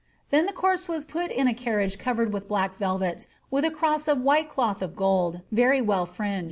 "Then the corpse was put in a carriage covered with black velvet, vith a cross of white cloth of gold, very well fringed.